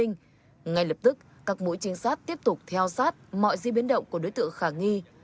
ngay lập tức các mũi trinh sát tiếp tục theo sát mọi di biến động của đối tượng khả nghi